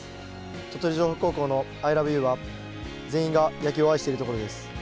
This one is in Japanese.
鳥取城北高校のアイラブユーは全員が野球を愛しているところです。